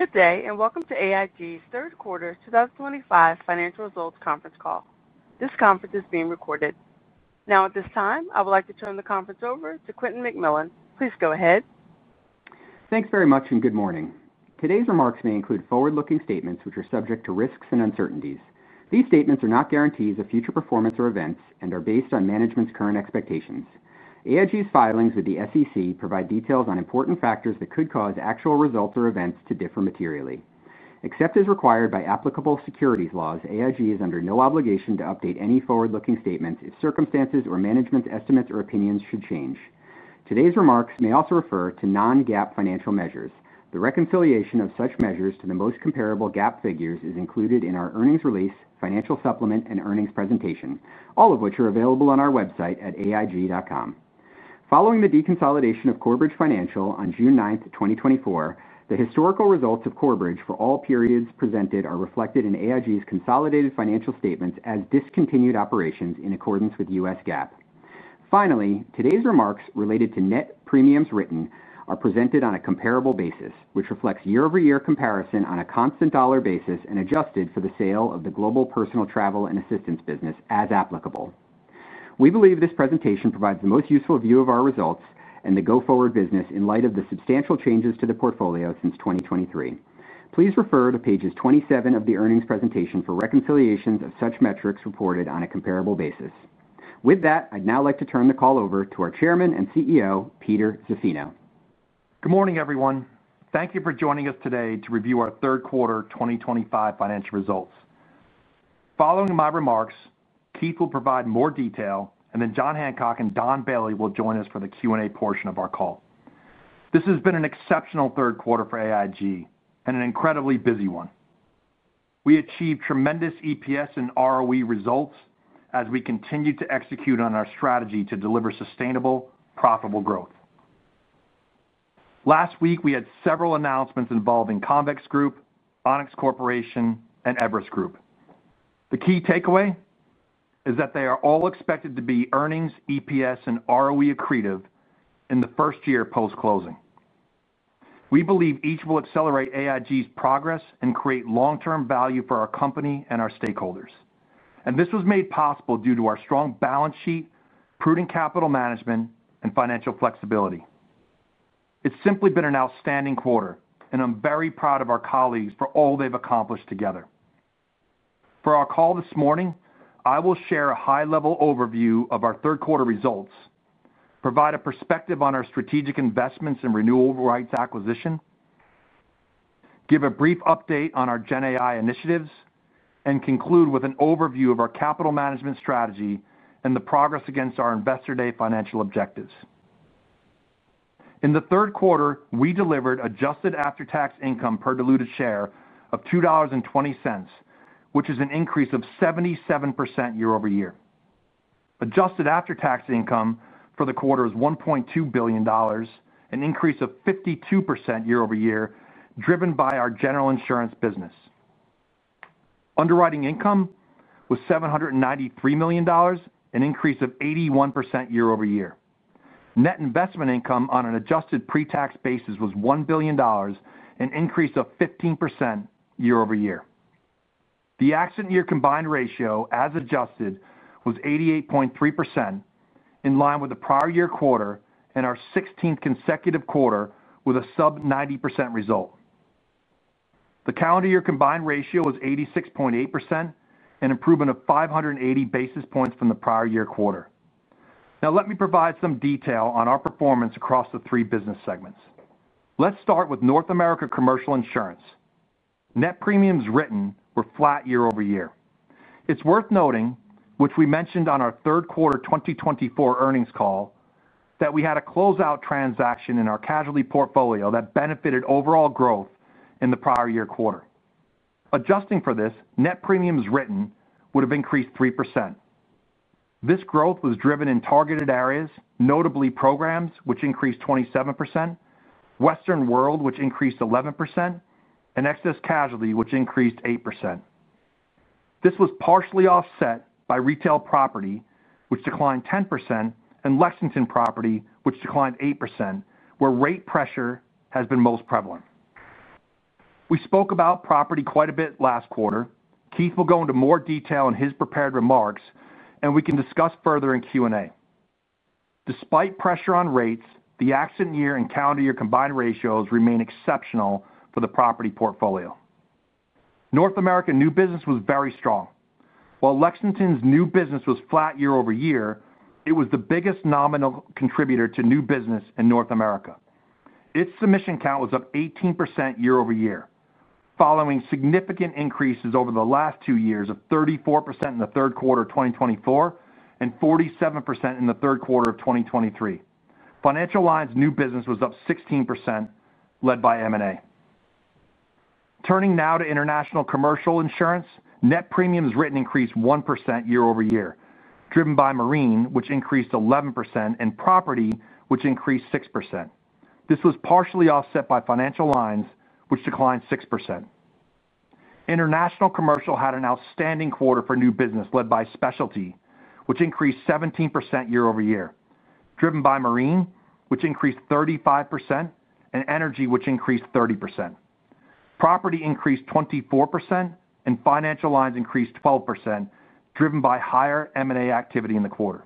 Good day, and welcome to AIG's third quarter 2025 financial results conference call. This conference is being recorded. Now, at this time, I would like to turn the conference over to Quentin McMillan. Please go ahead. Thanks very much, and good morning. Today's remarks may include forward-looking statements which are subject to risks and uncertainties. These statements are not guarantees of future performance or events and are based on management's current expectations. AIG's filings with the SEC provide details on important factors that could cause actual results or events to differ materially. Except as required by applicable securities laws, AIG is under no obligation to update any forward-looking statements if circumstances or management's estimates or opinions should change. Today's remarks may also refer to non-GAAP financial measures. The reconciliation of such measures to the most comparable GAAP figures is included in our earnings release, financial supplement, and earnings presentation, all of which are available on our website at aig.com. Following the deconsolidation of Corebridge Financial on June 9th, 2024, the historical results of Corebridge for all periods presented are reflected in AIG's consolidated financial statements as discontinued operations in accordance with U.S. GAAP. Finally, today's remarks related to net premiums written are presented on a comparable basis, which reflects year-over-year comparison on a constant dollar basis and adjusted for the sale of the global personal travel and assistance business as applicable. We believe this presentation provides the most useful view of our results and the go-forward business in light of the substantial changes to the portfolio since 2023. Please refer to page 27 of the earnings presentation for reconciliations of such metrics reported on a comparable basis. With that, I'd now like to turn the call over to our Chairman and CEO, Peter Zaffino. Good morning, everyone. Thank you for joining us today to review our third quarter 2025 financial results. Following my remarks, Keith will provide more detail, and then Jon Hancock and Don Bailey will join us for the Q&A portion of our call. This has been an exceptional third quarter for AIG, and an incredibly busy one. We achieved tremendous EPS and ROE results as we continued to execute on our strategy to deliver sustainable, profitable growth. Last week, we had several announcements involving Convex Group, Onex Corporation, and Everest Group. The key takeaway is that they are all expected to be earnings, EPS, and ROE accretive in the first year post-closing. We believe each will accelerate AIG's progress and create long-term value for our company and our stakeholders. This was made possible due to our strong balance sheet, prudent capital management, and financial flexibility. It's simply been an outstanding quarter, and I'm very proud of our colleagues for all they've accomplished together. For our call this morning, I will share a high-level overview of our third quarter results, provide a perspective on our strategic investments and renewal rights acquisition, give a brief update on our GenAI initiatives, and conclude with an overview of our capital management strategy and the progress against our Investor Day financial objectives. In the third quarter, we delivered adjusted after-tax income per diluted share of $2.20, which is an increase of 77% year-over-year. Adjusted after-tax income for the quarter is $1.2 billion, an increase of 52% year-over-year, driven by our general insurance business. Underwriting income was $793 million, an increase of 81% year-over-year. Net investment income on an adjusted pre-tax basis was $1 billion, an increase of 15% year-over-year. The accident year combined ratio, as adjusted, was 88.3%. In line with the prior year quarter and our 16th consecutive quarter with a sub-90% result. The calendar year combined ratio was 86.8%, an improvement of 580 basis points from the prior year quarter. Now, let me provide some detail on our performance across the three business segments. Let's start with North America commercial insurance. Net premiums written were flat year-over-year. It's worth noting, which we mentioned on our third quarter 2024 earnings call, that we had a closeout transaction in our casualty portfolio that benefited overall growth in the prior year quarter. Adjusting for this, net premiums written would have increased 3%. This growth was driven in targeted areas, notably programs, which increased 27%. Western World, which increased 11%, and Excess Casualty, which increased 8%. This was partially offset by Retail Property, which declined 10%, and Lexington Property, which declined 8%, where rate pressure has been most prevalent. We spoke about property quite a bit last quarter. Keith will go into more detail in his prepared remarks, and we can discuss further in Q&A. Despite pressure on rates, the accident year and calendar year combined ratios remain exceptional for the property portfolio. North America new business was very strong. While Lexington's new business was flat year-over-year, it was the biggest nominal contributor to new business in North America. Its submission count was up 18% year-over-year, following significant increases over the last two years of 34% in the third quarter of 2024 and 47% in the third quarter of 2023. Financial Lines new business was up 16%, led by M&A. Turning now to international commercial insurance, net premiums written increased 1% year-over-year, driven by Marine, which increased 11%, and property, which increased 6%. This was partially offset by Financial Lines, which declined 6%. International commercial had an outstanding quarter for new business, led by Specialty, which increased 17% year-over-year, driven by Marine, which increased 35%, and energy, which increased 30%. Property increased 24%, and Financial Lines increased 12%, driven by higher M&A activity in the quarter.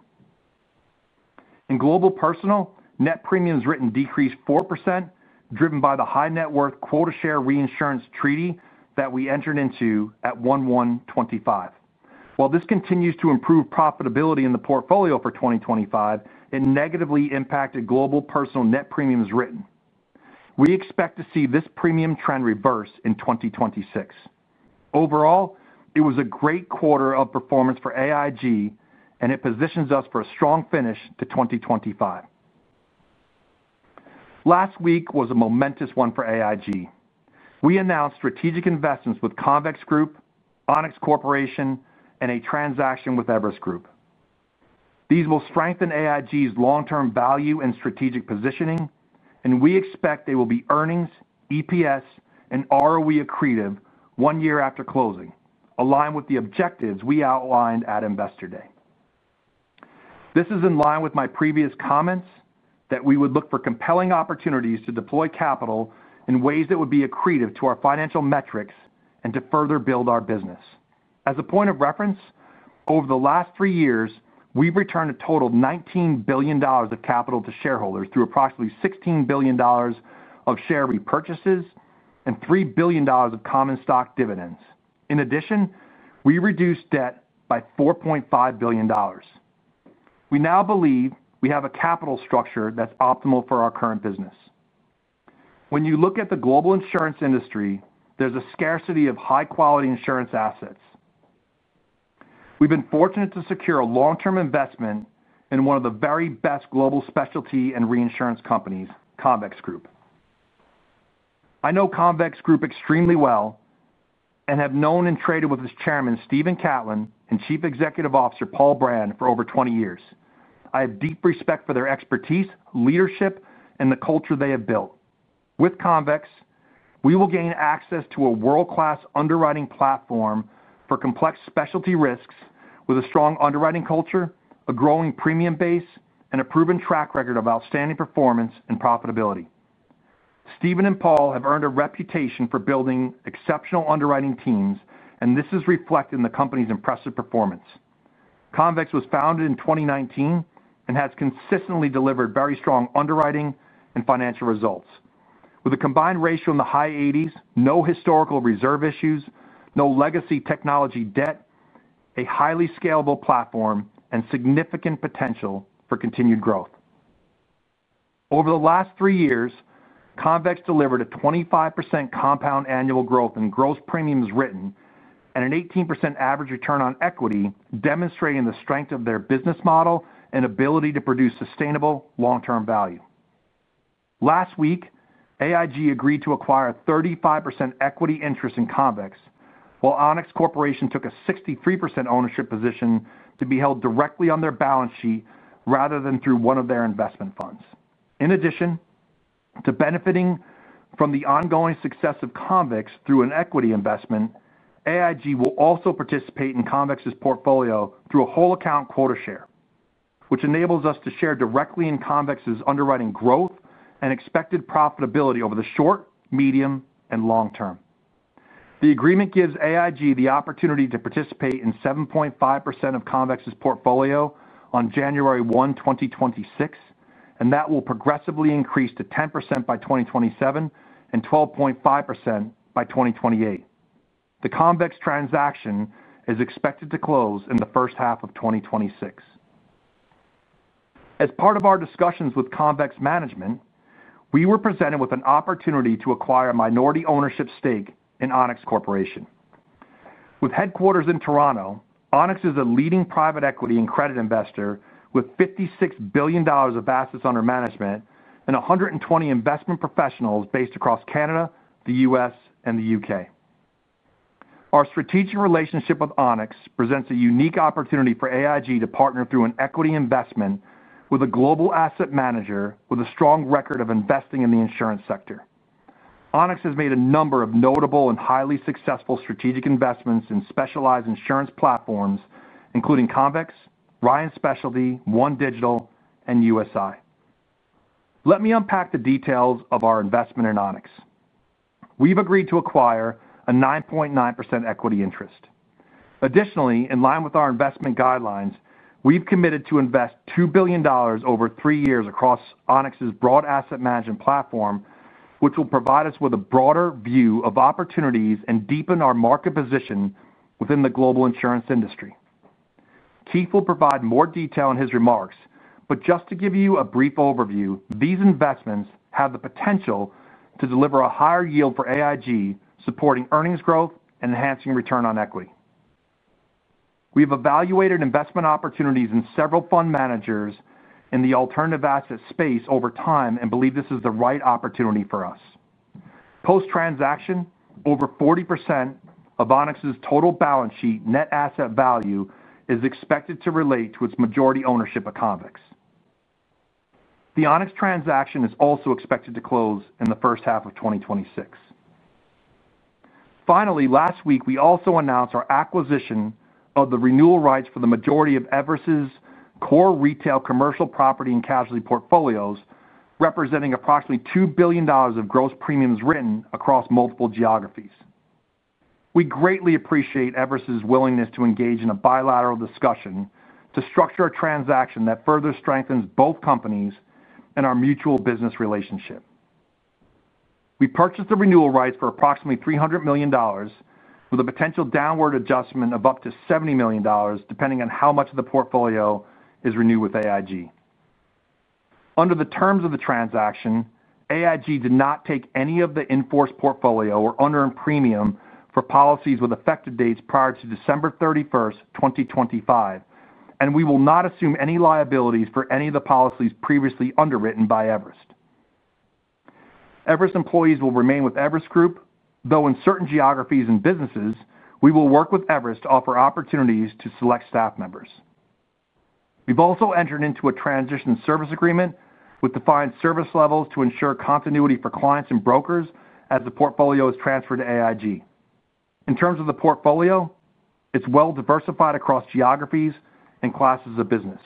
In global personal, net premiums written decreased 4%, driven by the high net worth quota share reinsurance treaty that we entered into at 01/01/2025. While this continues to improve profitability in the portfolio for 2025, it negatively impacted global personal net premiums written. We expect to see this premium trend reverse in 2026. Overall, it was a great quarter of performance for AIG, and it positions us for a strong finish to 2025. Last week was a momentous one for AIG. We announced strategic investments with Convex Group, Onex Corporation, and a transaction with Everest Group. These will strengthen AIG's long-term value and strategic positioning, and we expect they will be earnings, EPS, and ROE accretive one year after closing, aligned with the objectives we outlined at Investor Day. This is in line with my previous comments that we would look for compelling opportunities to deploy capital in ways that would be accretive to our financial metrics and to further build our business. As a point of reference, over the last three years, we've returned a total of $19 billion of capital to shareholders through approximately $16 billion of share repurchases and $3 billion of common stock dividends. In addition, we reduced debt by $4.5 billion. We now believe we have a capital structure that's optimal for our current business. When you look at the global insurance industry, there's a scarcity of high-quality insurance assets. We've been fortunate to secure a long-term investment in one of the very best global specialty and reinsurance companies, Convex Group. I know Convex Group extremely well. I have known and traded with its Chairman, Stephen Catlin, and Chief Executive Officer, Paul Brand, for over 20 years. I have deep respect for their expertise, leadership, and the culture they have built. With Convex, we will gain access to a world-class underwriting platform for complex specialty risks with a strong underwriting culture, a growing premium base, and a proven track record of outstanding performance and profitability. Stephen and Paul have earned a reputation for building exceptional underwriting teams, and this is reflected in the company's impressive performance. Convex was founded in 2019 and has consistently delivered very strong underwriting and financial results. With a combined ratio in the high 80%, no historical reserve issues, no legacy technology debt, a highly scalable platform, and significant potential for continued growth. Over the last three years, Convex delivered a 25% compound annual growth in gross premiums written and an 18% average return on equity, demonstrating the strength of their business model and ability to produce sustainable long-term value. Last week, AIG agreed to acquire 35% equity interest in Convex, while Onex Corporation took a 63% ownership position to be held directly on their balance sheet rather than through one of their investment funds. In addition, to benefiting from the ongoing success of Convex through an equity investment, AIG will also participate in Convex's portfolio through a whole-account quota share, which enables us to share directly in Convex's underwriting growth and expected profitability over the short, medium, and long term. The agreement gives AIG the opportunity to participate in 7.5% of Convex's portfolio on January 1, 2026, and that will progressively increase to 10% by 2027 and 12.5% by 2028. The Convex transaction is expected to close in the first half of 2026. As part of our discussions with Convex management, we were presented with an opportunity to acquire a minority ownership stake in Onex Corporation. With headquarters in Toronto, Onex is a leading private equity and credit investor with $56 billion of assets under management and 120 investment professionals based across Canada, the U.S., and the U.K. Our strategic relationship with Onex presents a unique opportunity for AIG to partner through an equity investment with a global asset manager with a strong record of investing in the insurance sector. Onex has made a number of notable and highly successful strategic investments in specialized insurance platforms, including Convex, Ryan Specialty, OneDigital, and USI. Let me unpack the details of our investment in Onex. We've agreed to acquire a 9.9% equity interest. Additionally, in line with our investment guidelines, we've committed to invest $2 billion over three years across Onex's broad asset management platform, which will provide us with a broader view of opportunities and deepen our market position within the global insurance industry. Keith will provide more detail in his remarks, but just to give you a brief overview, these investments have the potential to deliver a higher yield for AIG, supporting earnings growth and enhancing return on equity. We've evaluated investment opportunities in several fund managers in the alternative asset space over time and believe this is the right opportunity for us. Post-transaction, over 40% of Onex's total balance sheet net asset value is expected to relate to its majority ownership of Convex. The Onex transaction is also expected to close in the first half of 2026. Finally, last week, we also announced our acquisition of the renewal rights for the majority of Everest's core retail commercial property and casualty portfolios, representing approximately $2 billion of gross premiums written across multiple geographies. We greatly appreciate Everest's willingness to engage in a bilateral discussion to structure a transaction that further strengthens both companies and our mutual business relationship. We purchased the renewal rights for approximately $300 million, with a potential downward adjustment of up to $70 million, depending on how much of the portfolio is renewed with AIG. Under the terms of the transaction, AIG did not take any of the in-force portfolio or unearned premium for policies with effective dates prior to December 31st, 2025, and we will not assume any liabilities for any of the policies previously underwritten by Everest. Everest employees will remain with Everest Group, though in certain geographies and businesses, we will work with Everest to offer opportunities to select staff members. We have also entered into a transition service agreement with defined service levels to ensure continuity for clients and brokers as the portfolio is transferred to AIG. In terms of the portfolio, it is well-diversified across geographies and classes of business.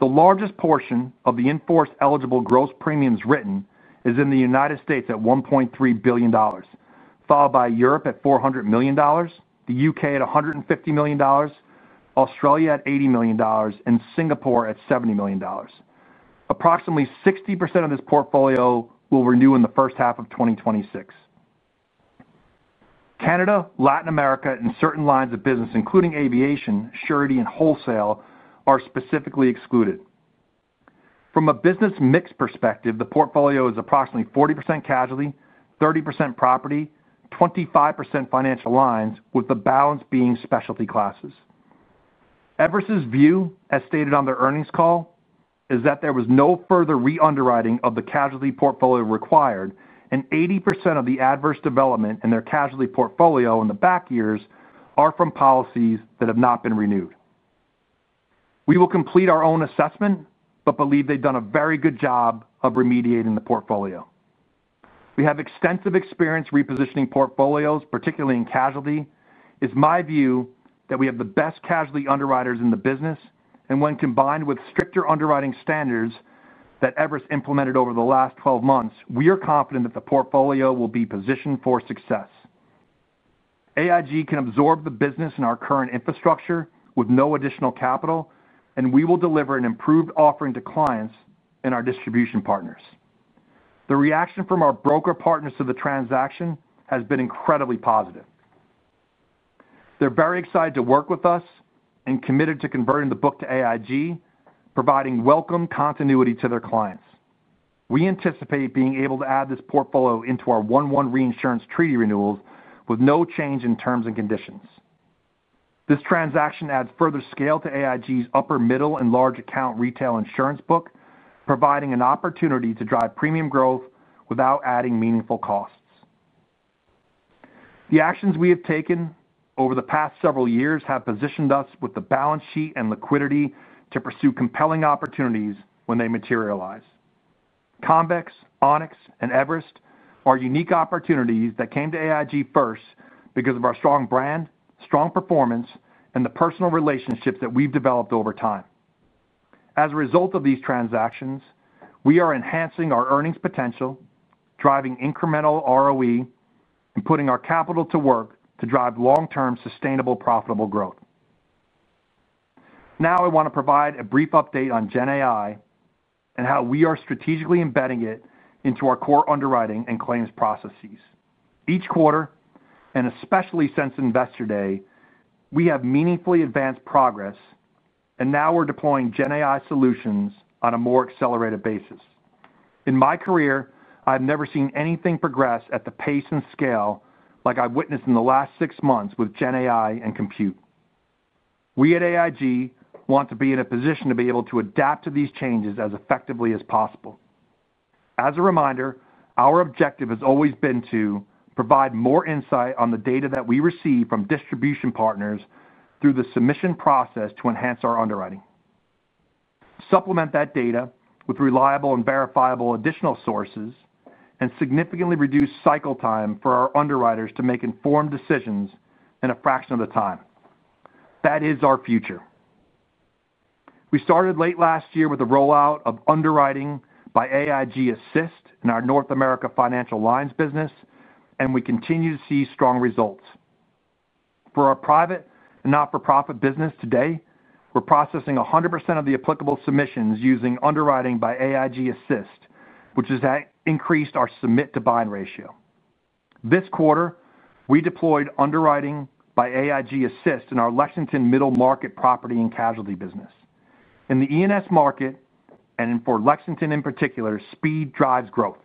The largest portion of the in-force eligible gross premiums written is in the United States at $1.3 billion, followed by Europe at $400 million, the U.K. at $150 million, Australia at $80 million, and Singapore at $70 million. Approximately 60% of this portfolio will renew in the first half of 2026. Canada, Latin America, and certain lines of business, including aviation, surety, and wholesale, are specifically excluded. From a business mix perspective, the portfolio is approximately 40% casualty, 30% property, 25% Financial Lines, with the balance being specialty classes. Everest's view, as stated on their earnings call, is that there was no further re-underwriting of the casualty portfolio required, and 80% of the adverse development in their casualty portfolio in the back years are from policies that have not been renewed. We will complete our own assessment but believe they've done a very good job of remediating the portfolio. We have extensive experience repositioning portfolios, particularly in casualty. It's my view that we have the best casualty underwriters in the business, and when combined with stricter underwriting standards that Everest implemented over the last 12 months, we are confident that the portfolio will be positioned for success. AIG can absorb the business in our current infrastructure with no additional capital, and we will deliver an improved offering to clients and our distribution partners. The reaction from our broker partners to the transaction has been incredibly positive. They're very excited to work with us and committed to converting the book to AIG, providing welcome continuity to their clients. We anticipate being able to add this portfolio into our 01/01 reinsurance treaty renewals with no change in terms and conditions. This transaction adds further scale to AIG's upper-middle and large-account retail insurance book, providing an opportunity to drive premium growth without adding meaningful costs. The actions we have taken over the past several years have positioned us with the balance sheet and liquidity to pursue compelling opportunities when they materialize. Convex, Onex, and Everest are unique opportunities that came to AIG first because of our strong brand, strong performance, and the personal relationships that we've developed over time. As a result of these transactions, we are enhancing our earnings potential, driving incremental ROE, and putting our capital to work to drive long-term sustainable profitable growth. Now, I want to provide a brief update on GenAI and how we are strategically embedding it into our core underwriting and claims processes. Each quarter, and especially since Investor Day, we have meaningfully advanced progress. Now we're deploying GenAI solutions on a more accelerated basis. In my career, I've never seen anything progress at the pace and scale like I've witnessed in the last six months with GenAI and compute. We at AIG want to be in a position to be able to adapt to these changes as effectively as possible. As a reminder, our objective has always been to provide more insight on the data that we receive from distribution partners through the submission process to enhance our underwriting. Supplement that data with reliable and verifiable additional sources and significantly reduce cycle time for our underwriters to make informed decisions in a fraction of the time. That is our future. We started late last year with the rollout of underwriting by AIG Assist in our North America Financial Lines business, and we continue to see strong results. For our private and not-for-profit business today, we're processing 100% of the applicable submissions using underwriting by AIG Assist, which has increased our submit-to-bind ratio. This quarter, we deployed underwriting by AIG Assist in our Lexington middle market property and casualty business. In the E&S market and for Lexington in particular, speed drives growth.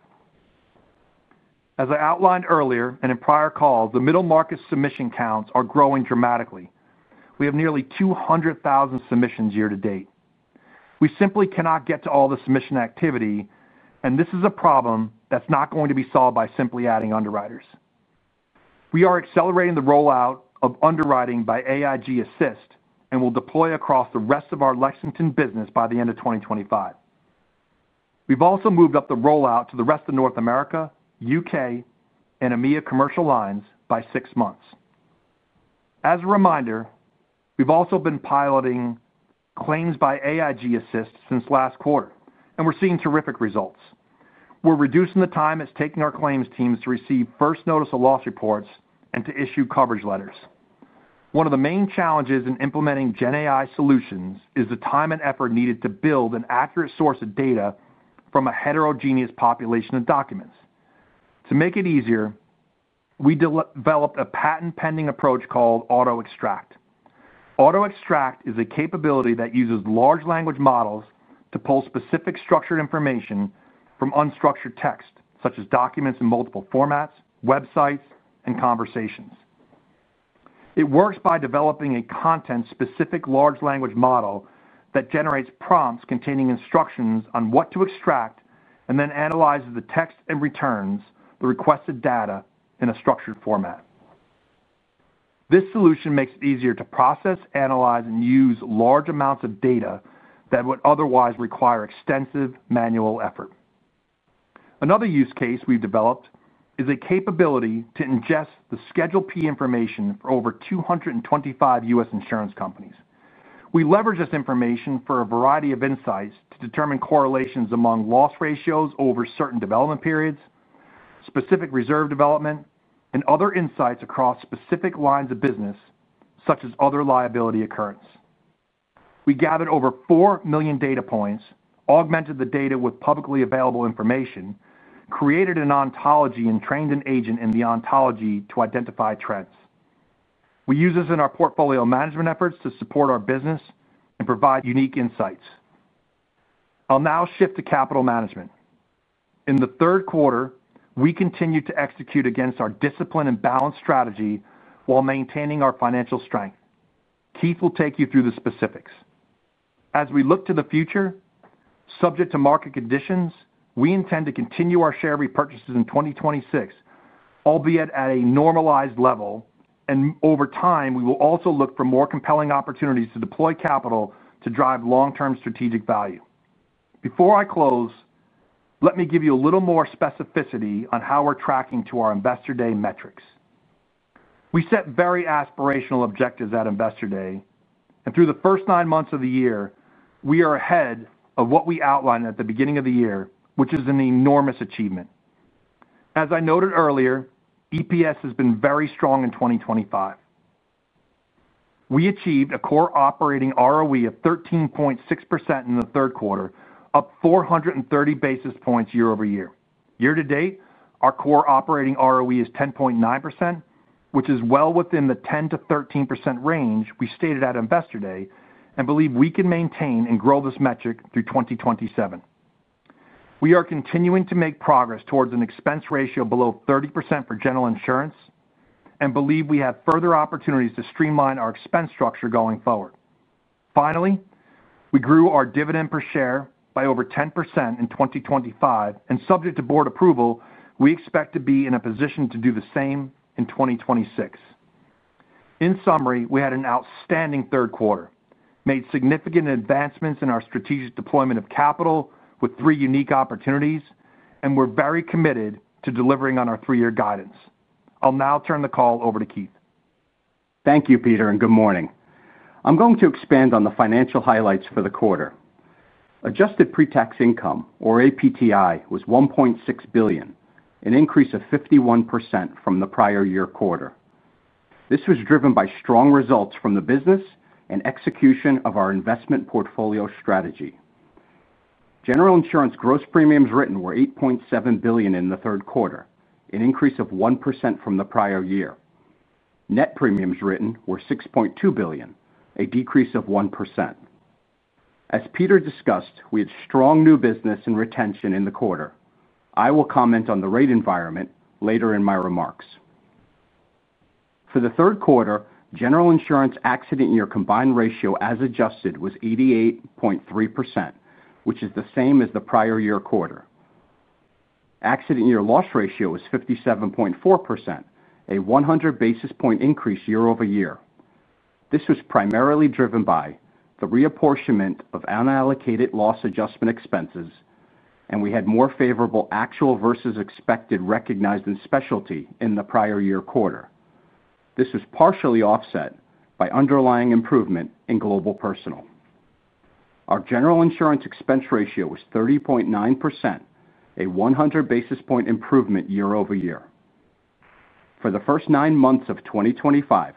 As I outlined earlier and in prior calls, the middle market submission counts are growing dramatically. We have nearly 200,000 submissions year to date. We simply cannot get to all the submission activity, and this is a problem that's not going to be solved by simply adding underwriters. We are accelerating the rollout of underwriting by AIG Assist and will deploy across the rest of our Lexington business by the end of 2025. We've also moved up the rollout to the rest of North America, U.K., and EMEA commercial lines by six months. As a reminder, we've also been piloting claims by AIG Assist since last quarter, and we're seeing terrific results. We're reducing the time it's taking our claims teams to receive first notice of loss reports and to issue coverage letters. One of the main challenges in implementing GenAI solutions is the time and effort needed to build an accurate source of data from a heterogeneous population of documents. To make it easier, we developed a patent-pending approach called Autoextract. Autoextract is a capability that uses large language models to pull specific structured information from unstructured text, such as documents in multiple formats, websites, and conversations. It works by developing a content-specific large language model that generates prompts containing instructions on what to extract and then analyzes the text and returns the requested data in a structured format. This solution makes it easier to process, analyze, and use large amounts of data that would otherwise require extensive manual effort. Another use case we've developed is a capability to ingest the Schedule P information for over 225 U.S. insurance companies. We leverage this information for a variety of insights to determine correlations among loss ratios over certain development periods, specific reserve development, and other insights across specific lines of business, such as other liability occurrence. We gathered over 4 million data points, augmented the data with publicly available information, created an ontology, and trained an agent in the ontology to identify trends. We use this in our portfolio management efforts to support our business and provide unique insights. I'll now shift to capital management. In the third quarter, we continue to execute against our discipline and balance strategy while maintaining our financial strength. Keith will take you through the specifics. As we look to the future. Subject to market conditions, we intend to continue our share repurchases in 2026, albeit at a normalized level. Over time, we will also look for more compelling opportunities to deploy capital to drive long-term strategic value. Before I close, let me give you a little more specificity on how we're tracking to our Investor Day metrics. We set very aspirational objectives at Investor Day, and through the first nine months of the year, we are ahead of what we outlined at the beginning of the year, which is an enormous achievement. As I noted earlier, EPS has been very strong in 2025. We achieved a core operating ROE of 13.6% in the third quarter, up 430 basis points year-over-year. Year to date, our core operating ROE is 10.9%, which is well within the 10%-13% range we stated at Investor Day and believe we can maintain and grow this metric through 2027. We are continuing to make progress towards an expense ratio below 30% for general insurance and believe we have further opportunities to streamline our expense structure going forward. Finally, we grew our dividend per share by over 10% in 2025, and subject to board approval, we expect to be in a position to do the same in 2026. In summary, we had an outstanding third quarter, made significant advancements in our strategic deployment of capital with three unique opportunities, and we're very committed to delivering on our three-year guidance. I'll now turn the call over to Keith. Thank you, Peter, and good morning. I'm going to expand on the financial highlights for the quarter. Adjusted pre-tax income, or APTI, was $1.6 billion, an increase of 51% from the prior year quarter. This was driven by strong results from the business and execution of our investment portfolio strategy. General insurance gross premiums written were $8.7 billion in the third quarter, an increase of 1% from the prior year. Net premiums written were $6.2 billion, a decrease of 1%. As Peter discussed, we had strong new business and retention in the quarter. I will comment on the rate environment later in my remarks. For the third quarter, general insurance accident year combined ratio as adjusted was 88.3%, which is the same as the prior year quarter. Accident year loss ratio was 57.4%, a 100 basis point increase year-over-year. This was primarily driven by the reapportionment of unallocated loss adjustment expenses, and we had more favorable actual versus expected recognized in specialty in the prior year quarter. This was partially offset by underlying improvement in global personal. Our general insurance expense ratio was 30.9%, a 100 basis point improvement year-over-year. For the first nine months of 2025,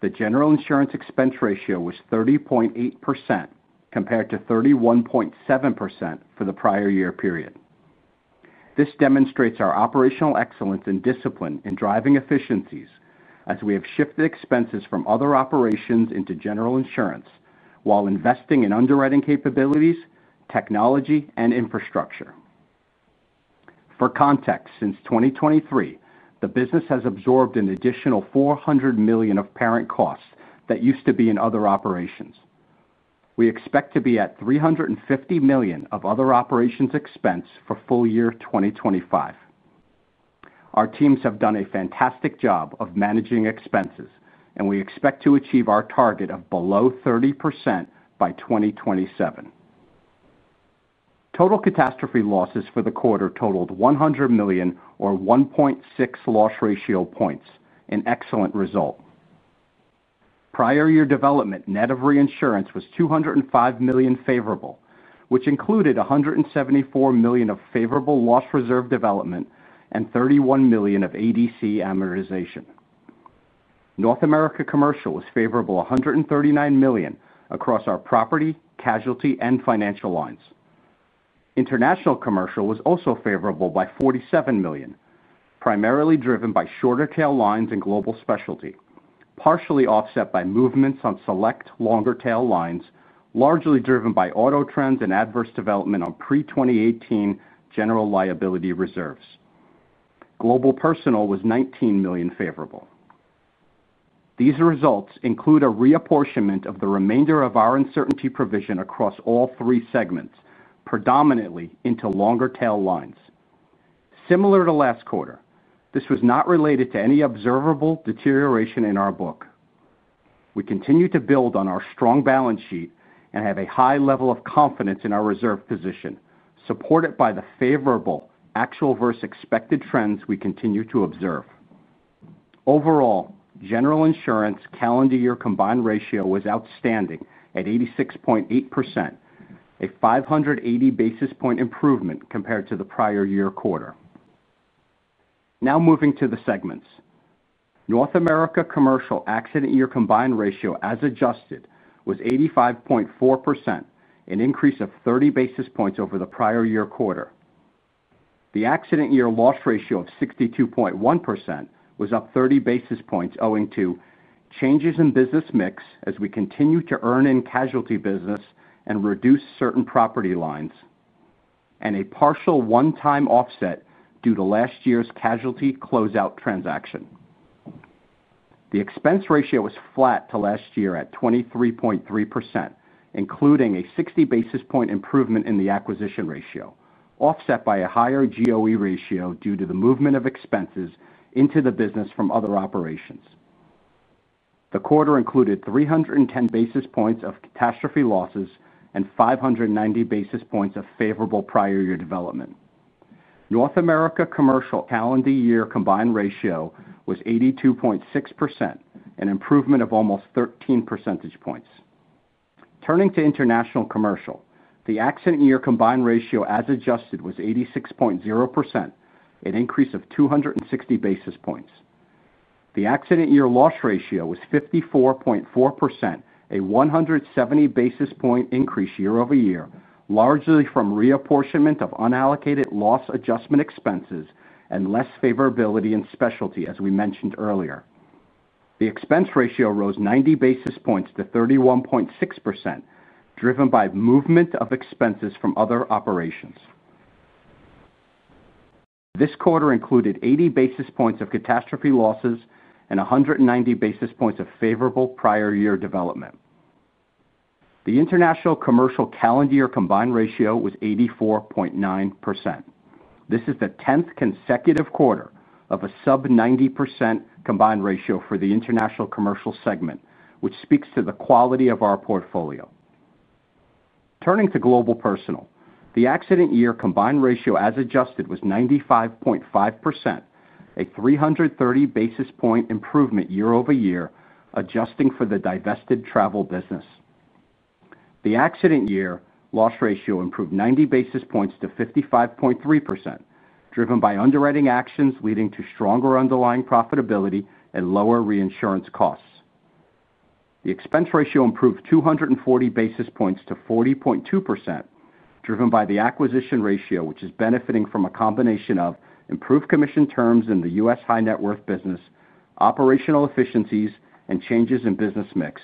the general insurance expense ratio was 30.8% compared to 31.7% for the prior year period. This demonstrates our operational excellence and discipline in driving efficiencies as we have shifted expenses from other operations into general insurance while investing in underwriting capabilities, technology, and infrastructure. For context, since 2023, the business has absorbed an additional $400 million of parent costs that used to be in other operations. We expect to be at $350 million of other operations expense for full year 2025. Our teams have done a fantastic job of managing expenses, and we expect to achieve our target of below 30% by 2027. Total catastrophe losses for the quarter totaled $100 million, or 1.6 loss ratio points, an excellent result. Prior year development net of reinsurance was $205 million favorable, which included $174 million of favorable loss reserve development and $31 million of ADC amortization. North America commercial was favorable $139 million across our property, casualty, and Financial Lines. International commercial was also favorable by $47 million, primarily driven by shorter tail lines and global specialty, partially offset by movements on select longer tail lines, largely driven by auto trends and adverse development on pre-2018 general liability reserves. Global personal was $19 million favorable. These results include a reapportionment of the remainder of our uncertainty provision across all three segments, predominantly into longer tail lines. Similar to last quarter, this was not related to any observable deterioration in our book. We continue to build on our strong balance sheet and have a high level of confidence in our reserve position, supported by the favorable actual versus expected trends we continue to observe. Overall, general insurance calendar year combined ratio was outstanding at 86.8%. A 580 basis point improvement compared to the prior year quarter. Now moving to the segments. North America commercial accident year combined ratio as adjusted was 85.4%, an increase of 30 basis points over the prior year quarter. The accident year loss ratio of 62.1% was up 30 basis points, owing to changes in business mix as we continue to earn in casualty business and reduce certain property lines. A partial one-time offset due to last year's casualty closeout transaction. The expense ratio was flat to last year at 23.3%, including a 60 basis point improvement in the acquisition ratio, offset by a higher GOE ratio due to the movement of expenses into the business from other operations. The quarter included 310 basis points of catastrophe losses and 590 basis points of favorable prior year development. North America commercial calendar year combined ratio was 82.6%, an improvement of almost 13 percentage points. Turning to international commercial, the accident year combined ratio as adjusted was 86.0%, an increase of 260 basis points. The accident year loss ratio was 54.4%, a 170 basis point increase year-over-year, largely from reapportionment of unallocated loss adjustment expenses and less favorability in specialty, as we mentioned earlier. The expense ratio rose 90 basis points to 31.6%, driven by movement of expenses from other operations. This quarter included 80 basis points of catastrophe losses and 190 basis points of favorable prior year development. The international commercial calendar year combined ratio was 84.9%. This is the 10th consecutive quarter of a sub-90% combined ratio for the international commercial segment, which speaks to the quality of our portfolio. Turning to global personal, the accident year combined ratio as adjusted was 95.5%, a 330 basis point improvement year-over-year, adjusting for the divested travel business. The accident year loss ratio improved 90 basis points to 55.3%, driven by underwriting actions leading to stronger underlying profitability and lower reinsurance costs. The expense ratio improved 240 basis points to 40.2%, driven by the acquisition ratio, which is benefiting from a combination of improved commission terms in the U.S. high net worth business, operational efficiencies, and changes in business mix.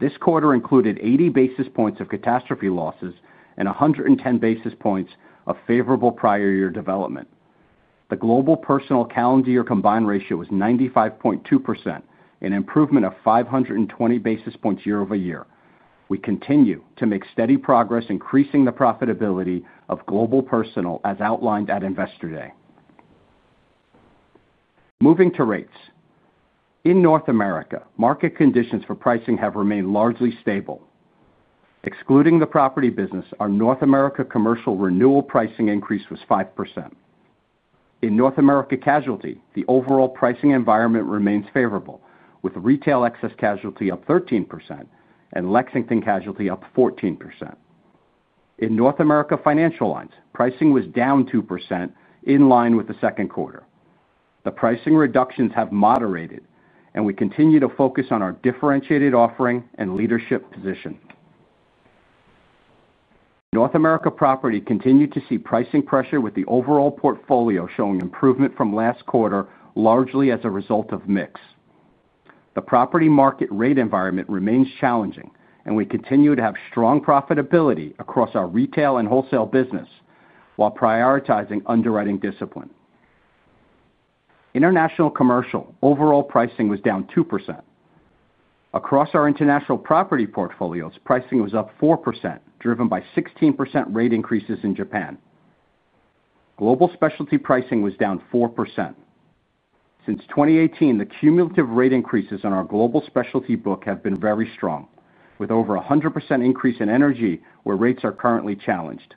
This quarter included 80 basis points of catastrophe losses and 110 basis points of favorable prior year development. The global personal calendar year combined ratio was 95.2%, an improvement of 520 basis points year-over-year. We continue to make steady progress, increasing the profitability of global personal as outlined at Investor Day. Moving to rates. In North America, market conditions for pricing have remained largely stable. Excluding the property business, our North America commercial renewal pricing increase was 5%. In North America casualty, the overall pricing environment remains favorable, with retail Excess Casualty up 13% and Lexington Casualty up 14%. In North America Financial Lines, pricing was down 2% in line with the second quarter. The pricing reductions have moderated, and we continue to focus on our differentiated offering and leadership position. North America property continued to see pricing pressure, with the overall portfolio showing improvement from last quarter, largely as a result of mix. The property market rate environment remains challenging, and we continue to have strong profitability across our retail and wholesale business while prioritizing underwriting discipline. International commercial overall pricing was down 2%. Across our international property portfolios, pricing was up 4%, driven by 16% rate increases in Japan. Global specialty pricing was down 4%. Since 2018, the cumulative rate increases on our global specialty book have been very strong, with over 100% increase in energy where rates are currently challenged.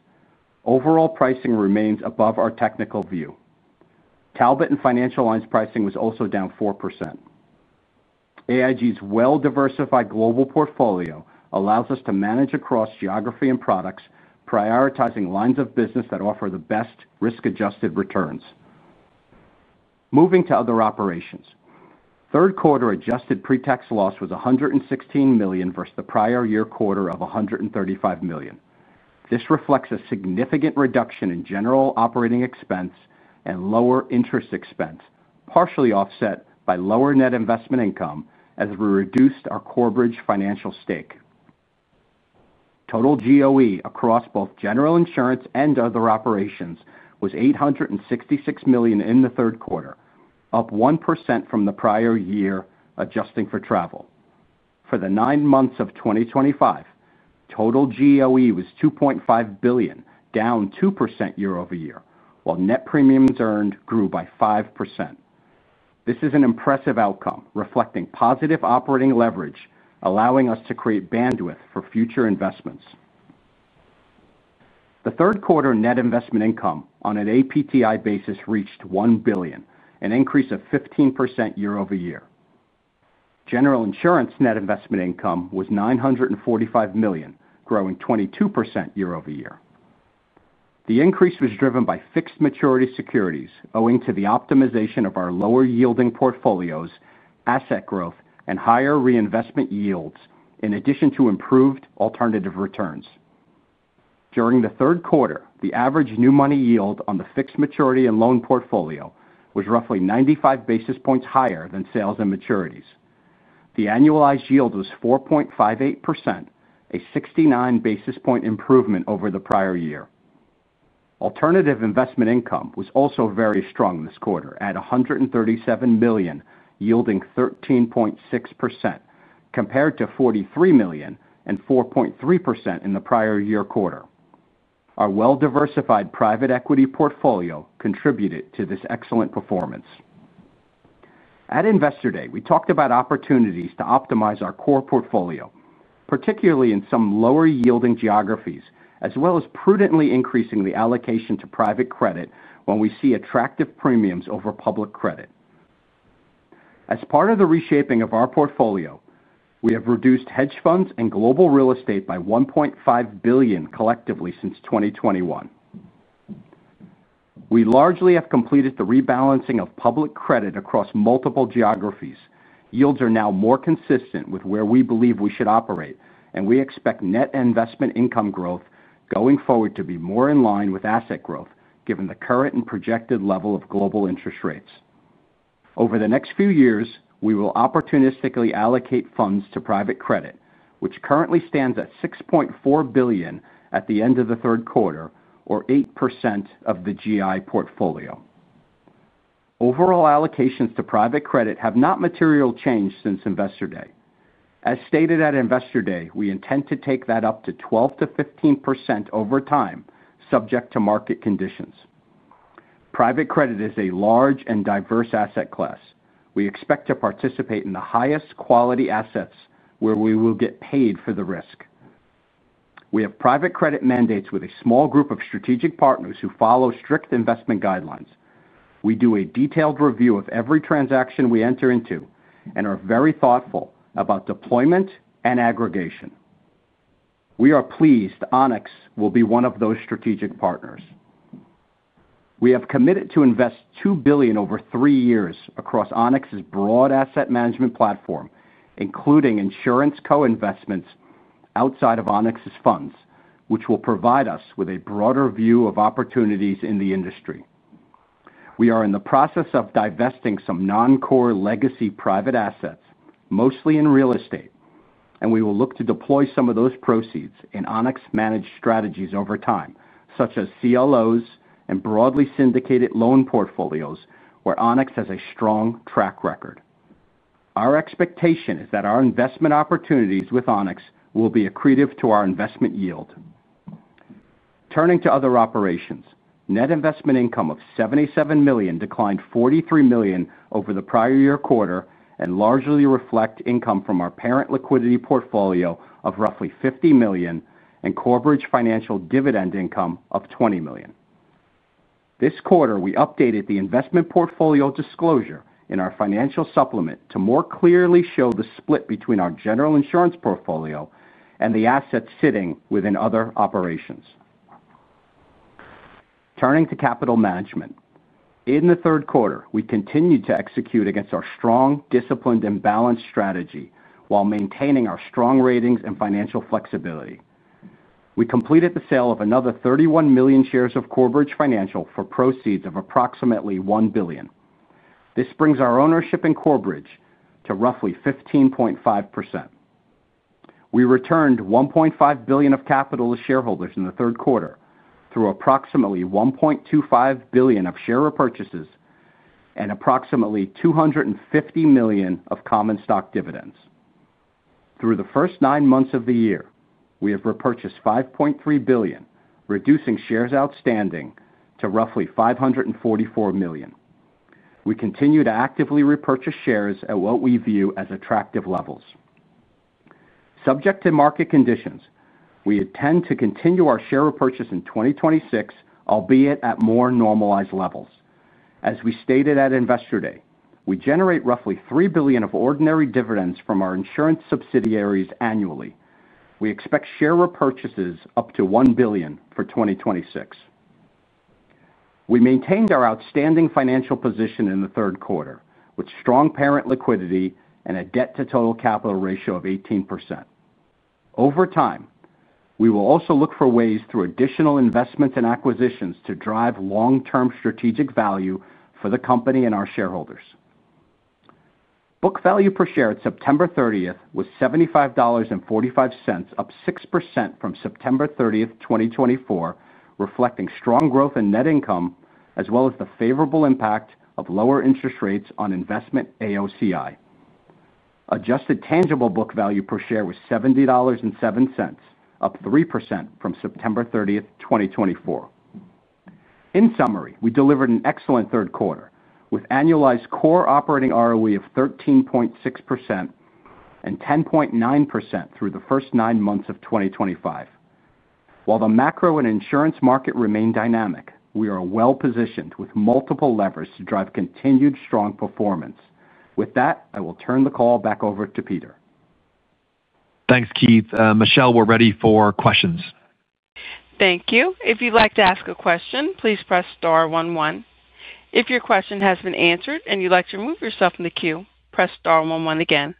Overall pricing remains above our technical view. Talbot and Financial Lines pricing was also down 4%. AIG's well-diversified global portfolio allows us to manage across geography and products, prioritizing lines of business that offer the best risk-adjusted returns. Moving to other operations. Third quarter adjusted pre-tax loss was $116 million versus the prior year quarter of $135 million. This reflects a significant reduction in general operating expense and lower interest expense, partially offset by lower net investment income as we reduced our corporate financial stake. Total GOE across both general insurance and other operations was $866 million in the third quarter, up 1% from the prior year adjusting for travel. For the nine months of 2025, total GOE was $2.5 billion, down 2% year-over-year, while net premiums earned grew by 5%. This is an impressive outcome, reflecting positive operating leverage, allowing us to create bandwidth for future investments. The third quarter net investment income on an APTI basis reached $1 billion, an increase of 15% year-over-year. General insurance net investment income was $945 million, growing 22% year-over-year. The increase was driven by fixed maturity securities owing to the optimization of our lower yielding portfolios, asset growth, and higher reinvestment yields, in addition to improved alternative returns. During the third quarter, the average new money yield on the fixed maturity and loan portfolio was roughly 95 basis points higher than sales and maturities. The annualized yield was 4.58%, a 69 basis point improvement over the prior year. Alternative investment income was also very strong this quarter at $137 million, yielding 13.6%, compared to $43 million and 4.3% in the prior year quarter. Our well-diversified private equity portfolio contributed to this excellent performance. At Investor Day, we talked about opportunities to optimize our core portfolio, particularly in some lower yielding geographies, as well as prudently increasing the allocation to private credit when we see attractive premiums over public credit. As part of the reshaping of our portfolio, we have reduced hedge funds and global real estate by $1.5 billion collectively since 2021. We largely have completed the rebalancing of public credit across multiple geographies. Yields are now more consistent with where we believe we should operate, and we expect net investment income growth going forward to be more in line with asset growth, given the current and projected level of global interest rates. Over the next few years, we will opportunistically allocate funds to private credit, which currently stands at $6.4 billion at the end of the third quarter, or 8% of the GI portfolio. Overall allocations to private credit have not materially changed since Investor Day. As stated at Investor Day, we intend to take that up to 12%-15% over time, subject to market conditions. Private credit is a large and diverse asset class. We expect to participate in the highest quality assets where we will get paid for the risk. We have private credit mandates with a small group of strategic partners who follow strict investment guidelines. We do a detailed review of every transaction we enter into and are very thoughtful about deployment and aggregation. We are pleased Onex will be one of those strategic partners. We have committed to invest $2 billion over three years across Onex's broad asset management platform, including insurance co-investments outside of Onex's funds, which will provide us with a broader view of opportunities in the industry. We are in the process of divesting some non-core legacy private assets, mostly in real estate, and we will look to deploy some of those proceeds in Onex-managed strategies over time, such as CLOs and broadly syndicated loan portfolios where Onex has a strong track record. Our expectation is that our investment opportunities with Onex will be accretive to our investment yield. Turning to other operations, net investment income of $77 million declined $43 million over the prior year quarter and largely reflects income from our parent liquidity portfolio of roughly $50 million and corporate financial dividend income of $20 million. This quarter, we updated the investment portfolio disclosure in our financial supplement to more clearly show the split between our general insurance portfolio and the assets sitting within other operations. Turning to capital management. In the third quarter, we continued to execute against our strong, disciplined, and balanced strategy while maintaining our strong ratings and financial flexibility. We completed the sale of another 31 million shares of Corebridge Financial for proceeds of approximately $1 billion. This brings our ownership in Corebridge to roughly 15.5%. We returned $1.5 billion of capital to shareholders in the third quarter through approximately $1.25 billion of share repurchases and approximately $250 million of common stock dividends. Through the first nine months of the year, we have repurchased $5.3 billion, reducing shares outstanding to roughly 544 million. We continue to actively repurchase shares at what we view as attractive levels. Subject to market conditions, we intend to continue our share repurchase in 2026, albeit at more normalized levels. As we stated at Investor Day, we generate roughly $3 billion of ordinary dividends from our insurance subsidiaries annually. We expect share repurchases up to $1 billion for 2026. We maintained our outstanding financial position in the third quarter with strong parent liquidity and a debt-to-total capital ratio of 18%. Over time, we will also look for ways through additional investments and acquisitions to drive long-term strategic value for the company and our shareholders. Book value per share at September 30th was $75.45, up 6% from September 30th, 2024, reflecting strong growth in net income as well as the favorable impact of lower interest rates on investment AOCI. Adjusted tangible book value per share was $70.07, up 3% from September 30th, 2024. In summary, we delivered an excellent third quarter with annualized core operating ROE of 13.6% and 10.9% through the first nine months of 2025. While the macro and insurance market remain dynamic, we are well positioned with multiple levers to drive continued strong performance. With that, I will turn the call back over to Peter. Thanks, Keith. Michelle, we're ready for questions. Thank you. If you'd like to ask a question, please press star one one. If your question has been answered and you'd like to remove yourself from the queue, press star one one again.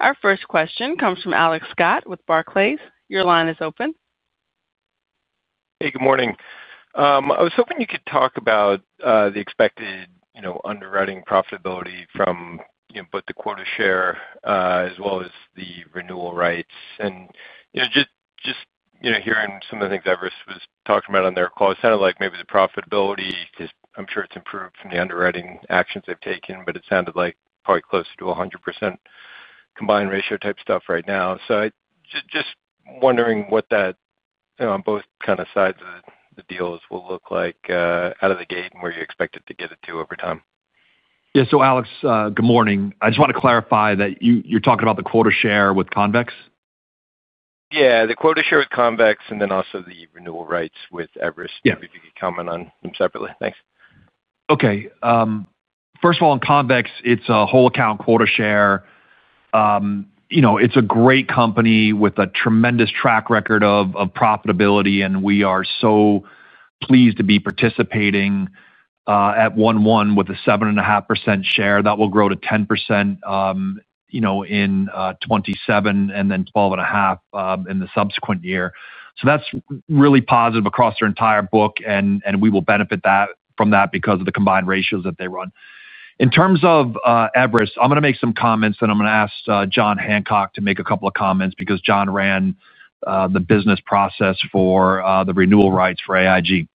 Our first question comes from Alex Scott with Barclays. Your line is open. Hey, good morning. I was hoping you could talk about the expected underwriting profitability from both the quota share as well as the renewal rights. And just hearing some of the things Everest was talking about on their call, it sounded like maybe the profitability—I'm sure it's improved from the underwriting actions they've taken—but it sounded like probably closer to 100% combined ratio type stuff right now. Just wondering what that, on both kind of sides of the deals, will look like out of the gate and where you expect it to get to over time. Yeah. Alex, good morning. I just want to clarify that you're talking about the quota share with Convex? Yeah, the quota share with Convex and then also the renewal rights with Everest. If you could comment on them separately. Thanks. Okay. First of all, Convex, it's a whole-account quota share. It's a great company with a tremendous track record of profitability, and we are so pleased to be participating. At 01/01 with a 7.5% share that will grow to 10% in 2027 and then 12.5% in the subsequent year. That is really positive across their entire book, and we will benefit from that because of the combined ratios that they run. In terms of Everest, I'm going to make some comments, and I'm going to ask Jon Hancock to make a couple of comments because Jon ran the business process for the renewal rights for AIG.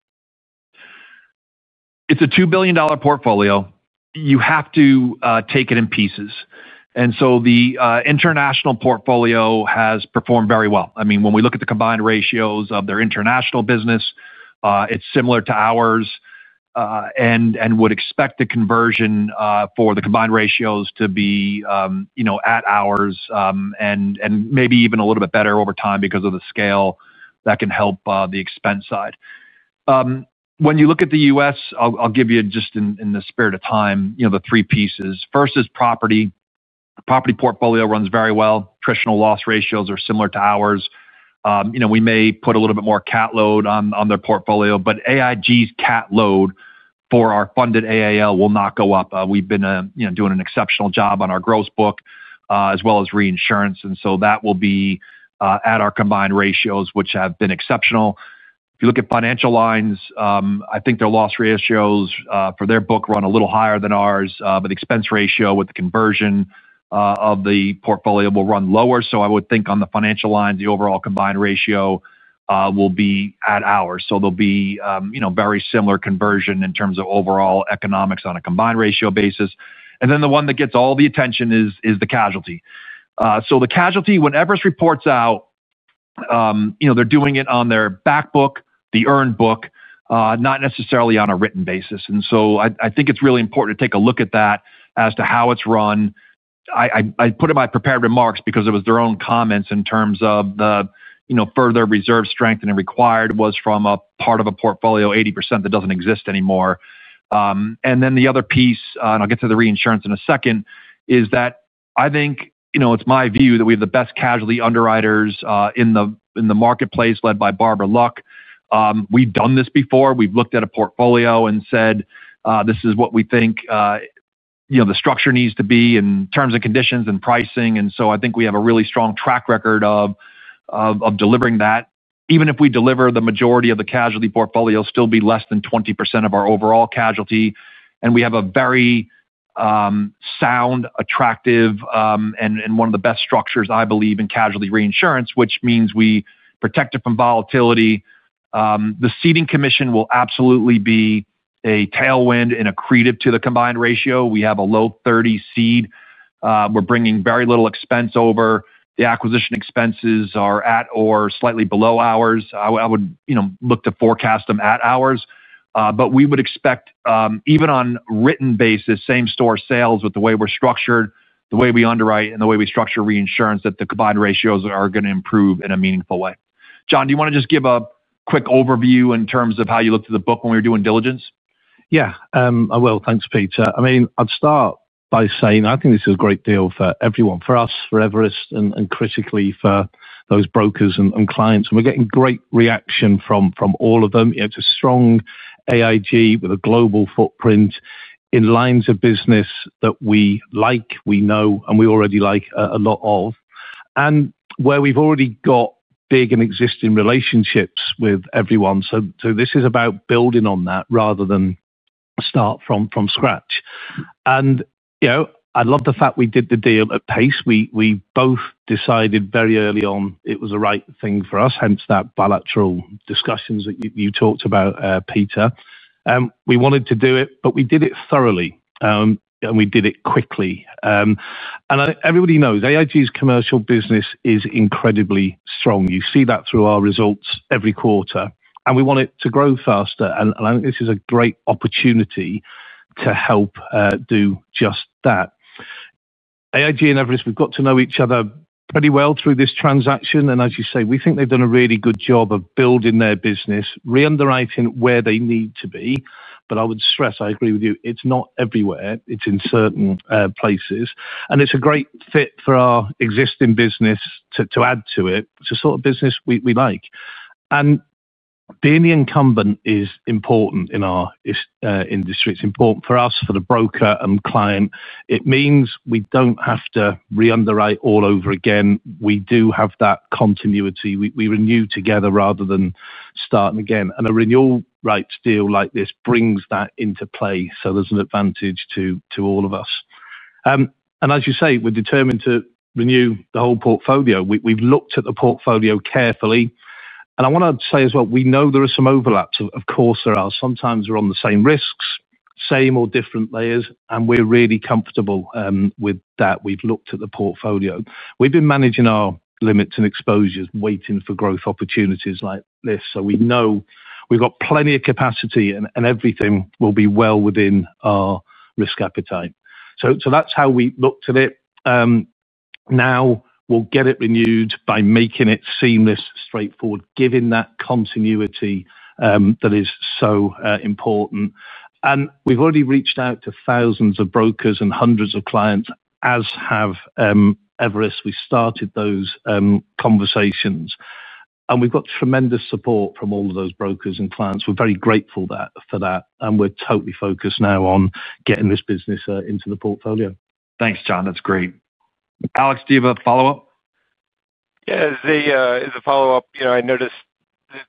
It's a $2 billion portfolio. You have to take it in pieces. The international portfolio has performed very well. I mean, when we look at the combined ratios of their international business, it's similar to ours. I would expect the conversion for the combined ratios to be at ours and maybe even a little bit better over time because of the scale that can help the expense side. When you look at the U.S., I'll give you, just in the spirit of time, the three pieces. First is property. Property portfolio runs very well. Attritional loss ratios are similar to ours. We may put a little bit more cat load on their portfolio, but AIG's cat load for our funded AAL will not go up. We've been doing an exceptional job on our gross book as well as reinsurance, and so that will be at our combined ratios, which have been exceptional. If you look at Financial Lines, I think their loss ratios for their book run a little higher than ours, but the expense ratio with the conversion of the portfolio will run lower. I would think on the financial line, the overall combined ratio will be at ours. There will be very similar conversion in terms of overall economics on a combined ratio basis. The one that gets all the attention is the casualty. The casualty, when Everest reports out, they are doing it on their backbook, the earned book, not necessarily on a written basis. I think it is really important to take a look at that as to how it is run. I put in my prepared remarks because it was their own comments in terms of the further reserve strengthening required was from a part of a portfolio, 80% that does not exist anymore. The other piece, and I'll get to the reinsurance in a second, is that I think it's my view that we have the best casualty underwriters in the marketplace led by Barbara Luck. We've done this before. We've looked at a portfolio and said, "This is what we think. The structure needs to be in terms of conditions and pricing." I think we have a really strong track record of delivering that. Even if we deliver, the majority of the casualty portfolio will still be less than 20% of our overall casualty. We have a very sound, attractive, and one of the best structures, I believe, in casualty reinsurance, which means we protect it from volatility. The seeding commission will absolutely be a tailwind and accretive to the combined ratio. We have a low 30% seed. We're bringing very little expense over. The acquisition expenses are at or slightly below ours. I would look to forecast them at ours. We would expect, even on a written basis, same-store sales with the way we're structured, the way we underwrite, and the way we structure reinsurance, that the combined ratios are going to improve in a meaningful way. Jon, do you want to just give a quick overview in terms of how you looked at the book when we were doing diligence? Yeah, I will. Thanks, Peter. I mean, I'd start by saying I think this is a great deal for everyone, for us, for Everest, and critically for those brokers and clients. We're getting great reaction from all of them. It's a strong AIG with a global footprint in lines of business that we like, we know, and we already like a lot of. Where we have already got big and existing relationships with everyone, this is about building on that rather than starting from scratch. I love the fact we did the deal at pace. We both decided very early on it was the right thing for us, hence the bilateral discussions that you talked about, Peter. We wanted to do it, but we did it thoroughly, and we did it quickly. Everybody knows AIG's commercial business is incredibly strong. You see that through our results every quarter. We want it to grow faster. I think this is a great opportunity to help do just that. AIG and Everest, we have got to know each other pretty well through this transaction. As you say, we think they have done a really good job of building their business, reunderwriting where they need to be. I would stress, I agree with you, it's not everywhere. It's in certain places. It's a great fit for our existing business to add to it, to sort of business we like. Being the incumbent is important in our industry. It's important for us, for the broker and client. It means we don't have to reunderwrite all over again. We do have that continuity. We renew together rather than starting again. A renewal rights deal like this brings that into play. There's an advantage to all of us. As you say, we're determined to renew the whole portfolio. We've looked at the portfolio carefully. I want to say as well, we know there are some overlaps. Of course, there are. Sometimes we're on the same risks, same or different layers, and we're really comfortable with that. We've looked at the portfolio. We've been managing our limits and exposures, waiting for growth opportunities like this. We know we've got plenty of capacity, and everything will be well within our risk appetite. That's how we looked at it. Now we'll get it renewed by making it seamless, straightforward, giving that continuity that is so important. We've already reached out to thousands of brokers and hundreds of clients, as have Everest. We started those conversations. We've got tremendous support from all of those brokers and clients. We're very grateful for that. We're totally focused now on getting this business into the portfolio. Thanks, Jon. That's great. Alex, do you have a follow-up? Yeah. As a follow-up, I noticed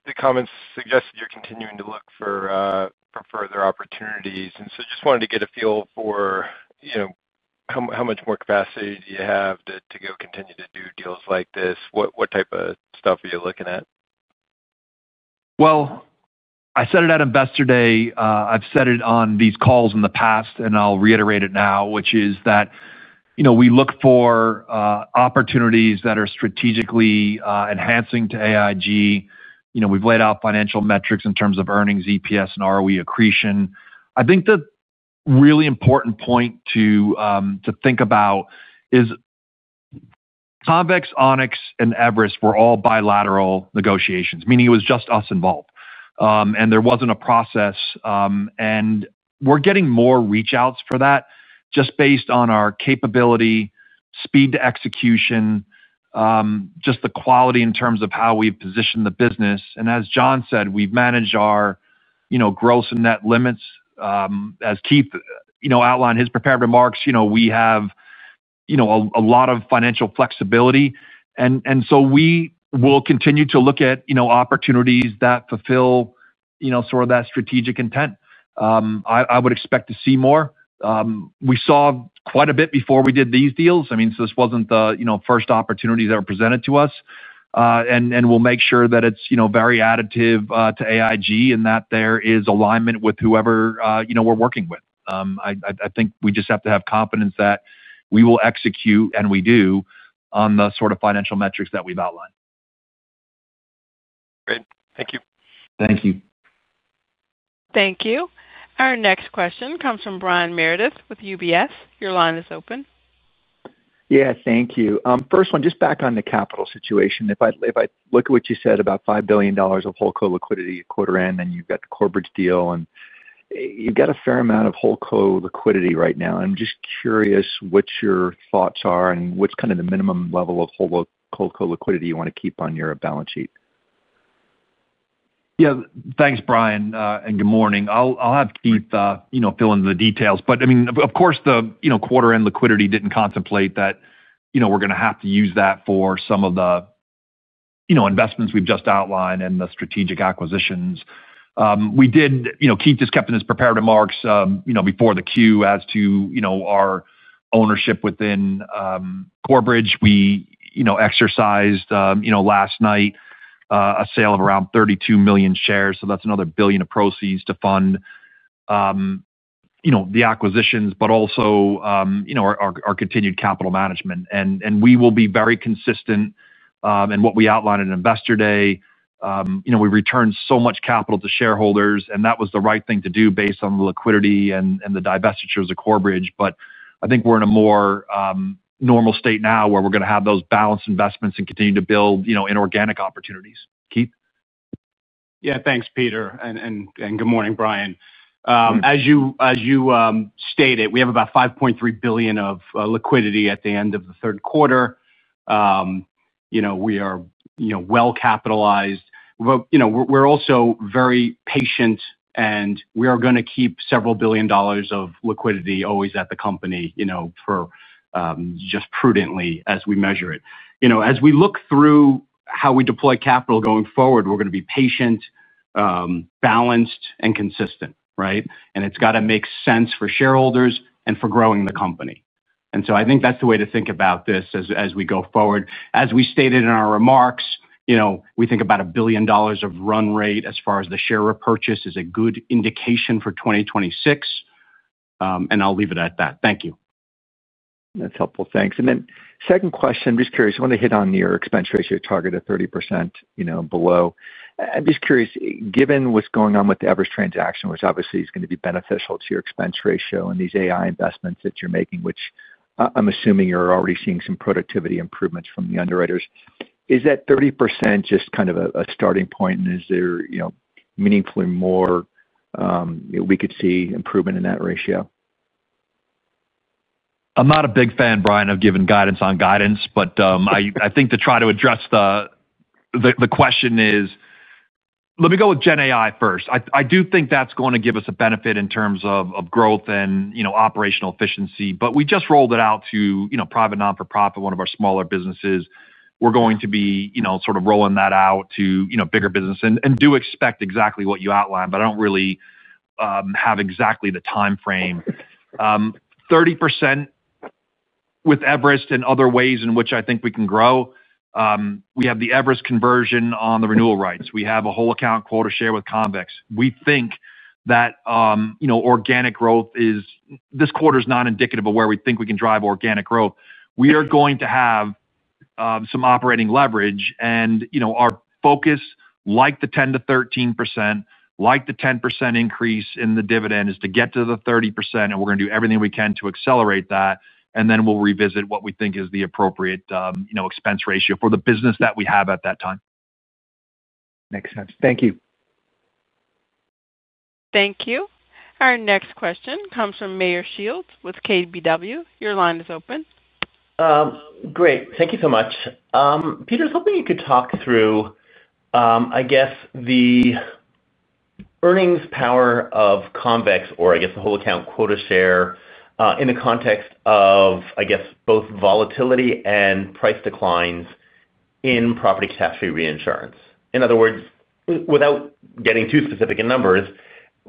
the comments suggested you're continuing to look for further opportunities. I just wanted to get a feel for. How much more capacity do you have to continue to do deals like this? What type of stuff are you looking at? I said it at Investor Day. I have said it on these calls in the past, and I will reiterate it now, which is that we look for opportunities that are strategically enhancing to AIG. We have laid out financial metrics in terms of earnings, EPS, and ROE accretion. I think the really important point to think about is Convex, Onex, and Everest were all bilateral negotiations, meaning it was just us involved. There was not a process. We are getting more reach-outs for that just based on our capability, speed to execution, just the quality in terms of how we have positioned the business. As Jon said, we have managed our gross and net limits. As Keith outlined in his prepared remarks, we have a lot of financial flexibility. We will continue to look at opportunities that fulfill sort of that strategic intent. I would expect to see more. We saw quite a bit before we did these deals. I mean, this was not the first opportunity that was presented to us. We will make sure that it is very additive to AIG and that there is alignment with whoever we are working with. I think we just have to have confidence that we will execute, and we do, on the sort of financial metrics that we have outlined. Great. Thank you. Thank you. Thank you. Our next question comes from Brian Meredith with UBS. Your line is open. Yeah. Thank you. First one, just back on the capital situation. If I look at what you said about $5 billion of whole-co liquidity at quarter end, and you have got the corporate deal, and. You've got a fair amount of whole-co liquidity right now. I'm just curious what your thoughts are and what's kind of the minimum level of whole-co liquidity you want to keep on your balance sheet. Yeah. Thanks, Brian. And good morning. I'll have Keith fill in the details. I mean, of course, the quarter-end liquidity didn't contemplate that we're going to have to use that for some of the investments we've just outlined and the strategic acquisitions. Keith just kept in his prepared remarks before the queue as to our ownership within Corebridge. We exercised last night a sale of around 32 million shares. That's another $1 billion of proceeds to fund the acquisitions, but also our continued capital management. We will be very consistent in what we outlined at Investor Day. We returned so much capital to shareholders, and that was the right thing to do based on the liquidity and the divestitures of Corebridge. I think we're in a more normal state now where we're going to have those balanced investments and continue to build inorganic opportunities. Keith? Yeah. Thanks, Peter. Good morning, Brian. As you stated, we have about $5.3 billion of liquidity at the end of the third quarter. We are well-capitalized. We're also very patient, and we are going to keep several billion dollars of liquidity always at the company, just prudently as we measure it. As we look through how we deploy capital going forward, we're going to be patient, balanced, and consistent, right? It's got to make sense for shareholders and for growing the company. I think that's the way to think about this as we go forward. As we stated in our remarks, we think about $1 billion of run rate as far as the share repurchase is a good indication for 2026. I will leave it at that. Thank you. That is helpful. Thanks. Second question, just curious, I want to hit on your expense ratio target of 30% below. I am just curious, given what is going on with the Everest transaction, which obviously is going to be beneficial to your expense ratio, and these AI investments that you are making, which I am assuming you are already seeing some productivity improvements from the underwriters, is that 30% just kind of a starting point? Is there meaningfully more we could see improvement in that ratio? I am not a big fan, Brian, of giving guidance on guidance, but I think to try to address the question is. Let me go with GenAI first. I do think that's going to give us a benefit in terms of growth and operational efficiency. We just rolled it out to private nonprofit, one of our smaller businesses. We're going to be sort of rolling that out to bigger businesses and do expect exactly what you outlined, but I don't really have exactly the timeframe. 30%. With Everest and other ways in which I think we can grow. We have the Everest conversion on the renewal rights. We have a whole account quota share with Convex. We think that organic growth this quarter is not indicative of where we think we can drive organic growth. We are going to have some operating leverage. Our focus, like the 10%-13%, like the 10% increase in the dividend, is to get to the 30%. We're going to do everything we can to accelerate that. We'll revisit what we think is the appropriate expense ratio for the business that we have at that time. Makes sense. Thank you. Thank you. Our next question comes from Meyer Shields with KBW. Your line is open. Great. Thank you so much. Peter, I was hoping you could talk through, I guess, the earnings power of Convex or, I guess, the whole account quota share in the context of, I guess, both volatility and price declines in property cat reinsurance. In other words, without getting too specific in numbers,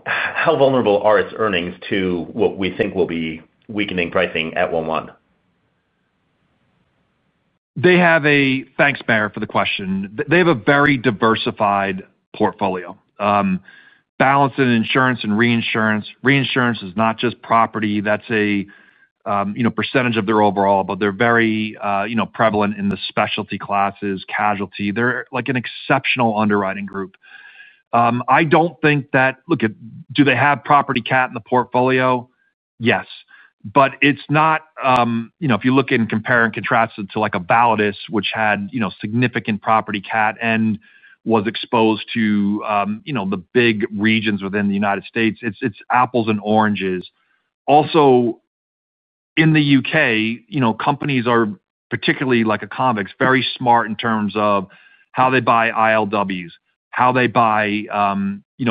how vulnerable are its earnings to what we think will be weakening pricing at 01/01? Thanks, Meyer, for the question. They have a very diversified portfolio, balance and insurance and reinsurance. Reinsurance is not just property. That's a percentage of their overall, but they're very prevalent in the specialty classes, casualty. They're like an exceptional underwriting group. I do not think that, look, do they have property cat in the portfolio? Yes. But it is not. If you look and compare and contrast it to a Validus, which had significant property cat and was exposed to the big regions within the U.S., it is apples and oranges. Also, in the U.K., companies are particularly, like a Convex, very smart in terms of how they buy ILWs, how they buy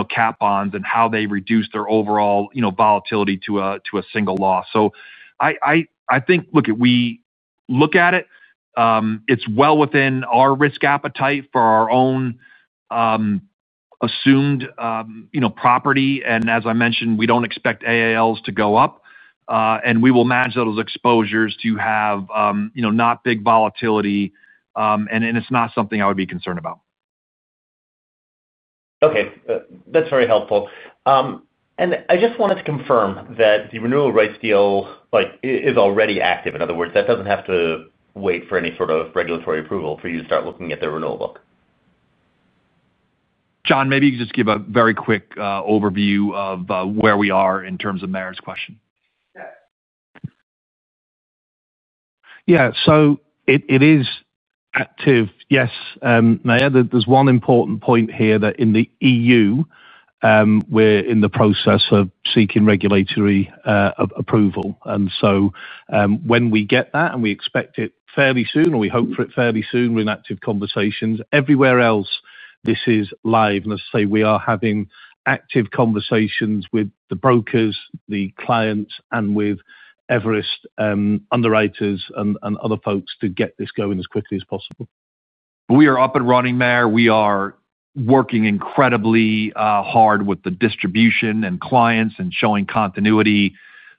cat bonds, and how they reduce their overall volatility to a single loss. I think, look, we look at it. It is well within our risk appetite for our own assumed property. As I mentioned, we do not expect AALs to go up. We will manage those exposures to have not big volatility. It is not something I would be concerned about. Okay. That is very helpful. I just wanted to confirm that the renewal rights deal is already active. In other words, that does not have to wait for any sort of regulatory approval for you to start looking at their renewal book. Jon, maybe you could just give a very quick overview of where we are in terms of Meyer's question. Yeah. It is active. Yes, Meyer, there is one important point here that in the E.U. we are in the process of seeking regulatory approval. When we get that, and we expect it fairly soon, or we hope for it fairly soon, we are in active conversations. Everywhere else, this is live. As I say, we are having active conversations with the brokers, the clients, and with Everest underwriters and other folks to get this going as quickly as possible. We are up and running, Meyer. We are working incredibly hard with the distribution and clients and showing continuity.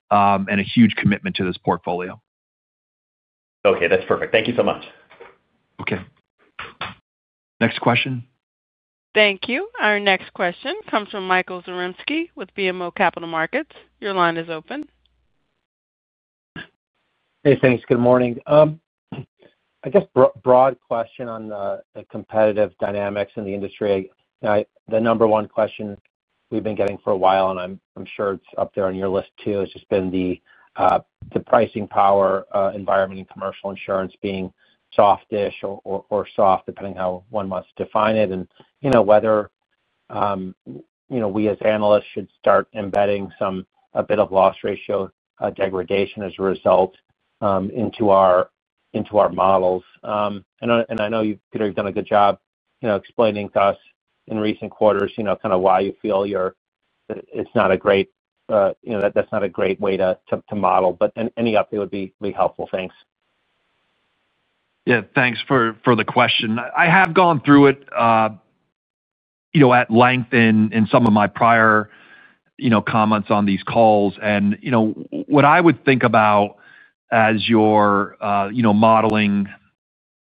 And a huge commitment to this portfolio. Okay. That's perfect. Thank you so much. Okay. Next question. Thank you. Our next question comes from Mike Zaremski with BMO Capital Markets. Your line is open. Hey, thanks. Good morning. I guess broad question on the competitive dynamics in the industry. The number one question we've been getting for a while, and I'm sure it's up there on your list too, has just been the pricing power environment in commercial insurance being soft-ish or soft, depending on how one must define it, and whether we as analysts should start embedding a bit of loss ratio degradation as a result into our models. And I know you've done a good job explaining to us in recent quarters kind of why you feel it's not a great. That's not a great way to model. Any update would be helpful. Thanks. Yeah. Thanks for the question. I have gone through it at length in some of my prior comments on these calls. What I would think about as you're modeling,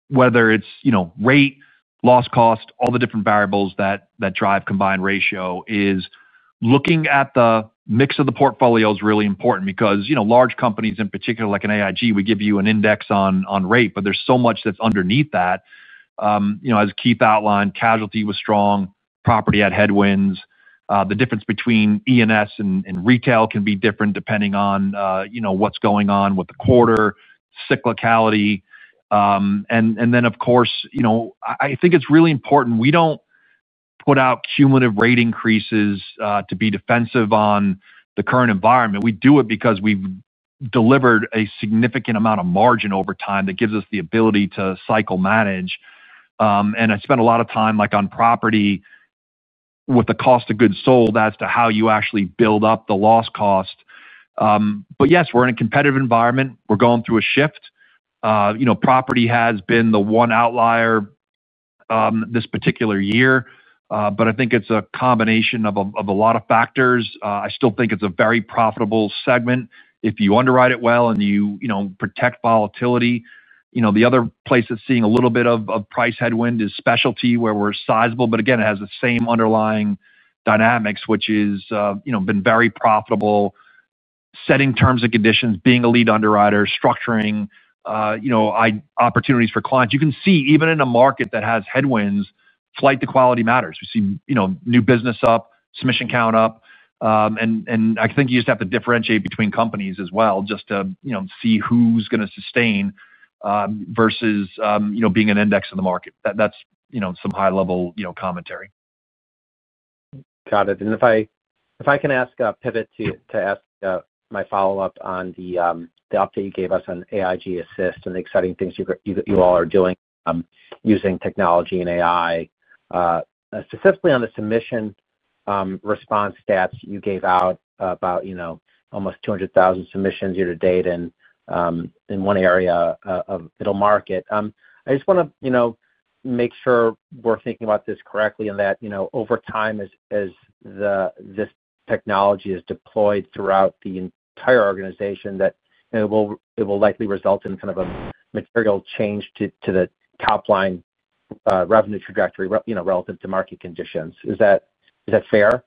whether it's rate, loss cost, all the different variables that drive combined ratio, is looking at the mix of the portfolio is really important because large companies, in particular, like an AIG, we give you an index on rate, but there's so much that's underneath that. As Keith outlined, casualty was strong, property had headwinds. The difference between E&S and retail can be different depending on what's going on with the quarter, cyclicality. I think it's really important we don't put out cumulative rate increases to be defensive on the current environment. We do it because we've delivered a significant amount of margin over time that gives us the ability to cycle manage. I spent a lot of time on property. With the cost of goods sold as to how you actually build up the loss cost. Yes, we're in a competitive environment. We're going through a shift. Property has been the one outlier this particular year. I think it's a combination of a lot of factors. I still think it's a very profitable segment. If you underwrite it well and you protect volatility, the other place that's seeing a little bit of price headwind is specialty, where we're sizable. Again, it has the same underlying dynamics, which has been very profitable. Setting terms and conditions, being a lead underwriter, structuring opportunities for clients. You can see, even in a market that has headwinds, flight to quality matters. We see new business up, submission count up. I think you just have to differentiate between companies as well just to see who's going to sustain versus being an index in the market. That's some high-level commentary. Got it. If I can ask Pivot to ask my follow-up on the update you gave us on AIG Assist and the exciting things you all are doing using technology and AI. Specifically on the submission response stats you gave out about almost 200,000 submissions year to date in one area of middle market. I just want to make sure we're thinking about this correctly and that over time, as this technology is deployed throughout the entire organization, that it will likely result in kind of a material change to the topline revenue trajectory relative to market conditions. Is that fair?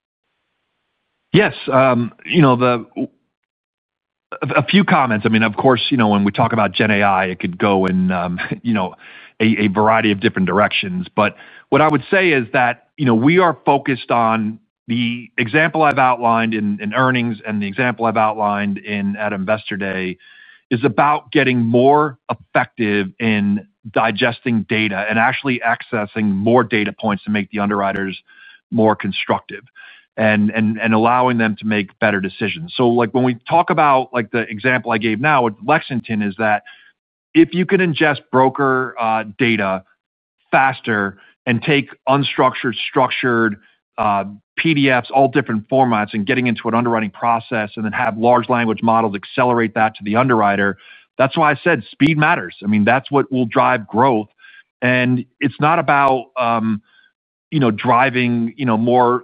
Yes. A few comments. I mean, of course, when we talk about GenAI, it could go in a variety of different directions. What I would say is that we are focused on the example I've outlined in earnings and the example I've outlined at Investor Day is about getting more effective in digesting data and actually accessing more data points to make the underwriters more constructive and allowing them to make better decisions. When we talk about the example I gave now with Lexington, if you can ingest broker data faster and take unstructured, structured, PDFs, all different formats, and get it into an underwriting process and then have large language models accelerate that to the underwriter, that's why I said speed matters. I mean, that's what will drive growth. It's not about driving more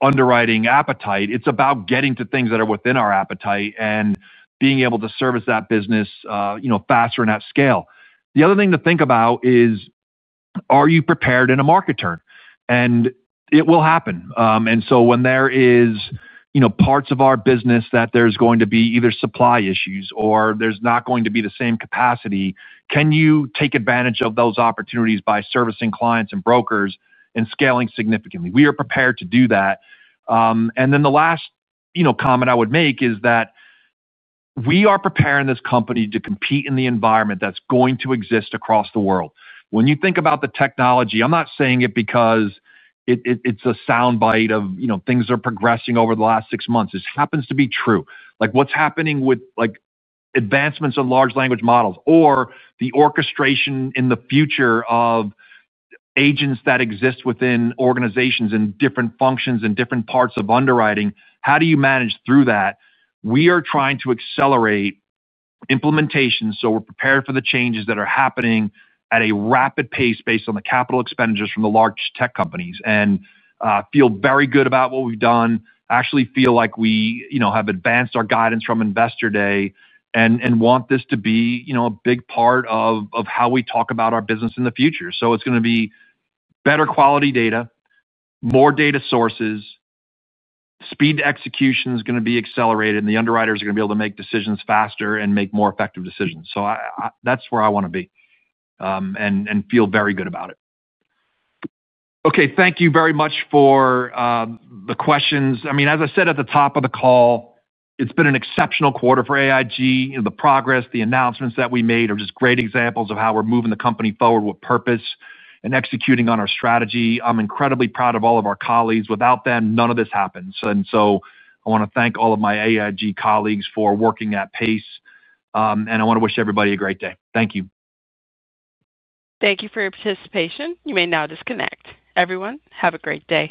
underwriting appetite. It's about getting to things that are within our appetite and being able to service that business faster and at scale. The other thing to think about is, are you prepared in a market turn? It will happen. When there are parts of our business that there's going to be either supply issues or there's not going to be the same capacity, can you take advantage of those opportunities by servicing clients and brokers and scaling significantly? We are prepared to do that. The last comment I would make is that we are preparing this company to compete in the environment that's going to exist across the world. When you think about the technology, I'm not saying it because it's a soundbite of things that are progressing over the last six months. This happens to be true. What's happening with. Advancements in large language models or the orchestration in the future of agents that exist within organizations in different functions and different parts of underwriting, how do you manage through that? We are trying to accelerate implementation so we're prepared for the changes that are happening at a rapid pace based on the capital expenditures from the large tech companies and feel very good about what we've done, actually feel like we have advanced our guidance from Investor Day, and want this to be a big part of how we talk about our business in the future. It is going to be better quality data, more data sources. Speed to execution is going to be accelerated, and the underwriters are going to be able to make decisions faster and make more effective decisions. That is where I want to be. I feel very good about it. Okay. Thank you very much for the questions. I mean, as I said at the top of the call, it's been an exceptional quarter for AIG. The progress, the announcements that we made are just great examples of how we're moving the company forward with purpose and executing on our strategy. I'm incredibly proud of all of our colleagues. Without them, none of this happens. I want to thank all of my AIG colleagues for working at pace. I want to wish everybody a great day. Thank you. Thank you for your participation. You may now disconnect. Everyone, have a great day.